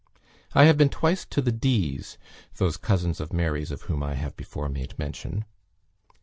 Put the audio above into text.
I have been twice to the D.'s" (those cousins of "Mary's" of whom I have before made mention).